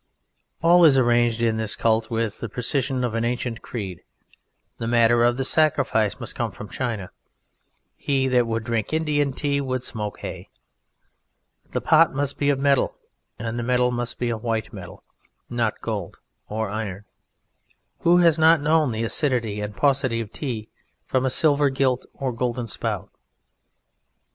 All is arranged in this Cult with the precision of an ancient creed. The matter of the Sacrifice must come from China. He that would drink Indian Tea would smoke hay. The Pot must be of metal, and the metal must be a white metal, not gold or iron. Who has not known the acidity and paucity of Tea from a silver gilt or golden spout?